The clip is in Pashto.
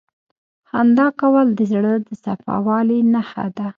• خندا کول د زړه د صفا والي نښه ده.